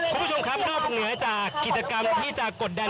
คุณผู้ชมครับนอกเหนือจากกิจกรรมที่จะกดดัน